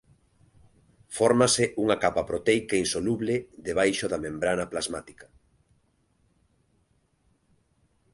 Fórmase unha capa proteica insoluble debaixo da membrana plasmática.